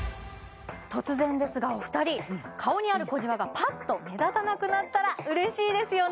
突然ですがお二人顔にある小じわがパッと目立たなくなったらうれしいですよね？